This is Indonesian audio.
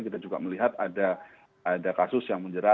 kita juga melihat ada kasus yang menjerat